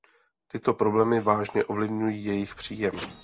Tyto problémy vážně ovlivňují jejich příjem.